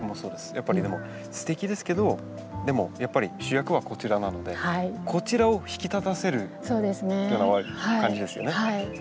やっぱりでもすてきですけどでもやっぱり主役はこちらなのでこちらを引き立たせるような感じですよね。